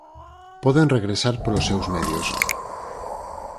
Poden regresar polos seus medios.